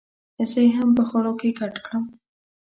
زه یې هم په خړو کې ګډ کړم.